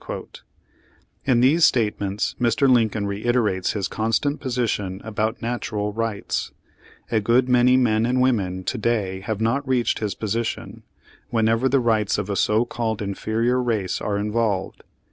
' In these statements Mr. Lincoln reiterates his constant position about "natural rights." A good many men and women to day have not reached his position, whenever the rights of a so called in ferior race are involved.